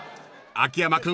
［秋山君